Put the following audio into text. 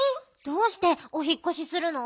どうしておひっこしするの？